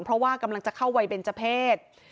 เพราะว่ากำลังจะเข้าวัยเบนเจอร์เพศ